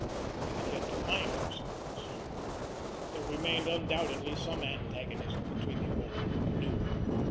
We had yet to find ourselves. But there remained undoubtedly some antagonism between the old and the new.